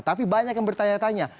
tapi banyak yang bertanya tanya